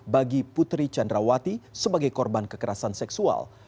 bagi putri candrawati sebagai korban kekerasan seksual